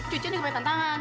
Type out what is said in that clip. cucian juga pakai tantangan